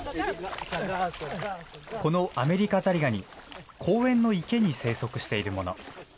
このアメリカザリガニ、公園の池に生息しているもの。